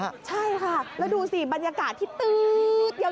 ใช่ค่ะแล้วดูสิบรรยากาศที่ตื๊ดยาว